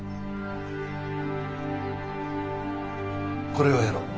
これをやろう。